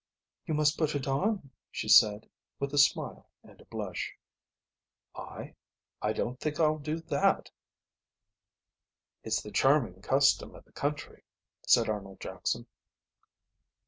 "You must put it on," she said, with a smile and a blush. "I? I don't think I'll do that." "It's the charming custom of the country," said Arnold Jackson.